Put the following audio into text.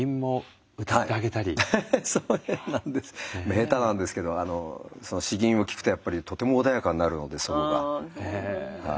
下手なんですけど詩吟を聴くとやっぱりとても穏やかになるので祖母が。